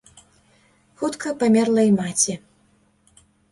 Хутка памерла і маці.